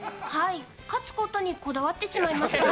勝つことにこだわってしまいました。